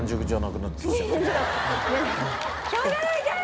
しょうがないじゃん！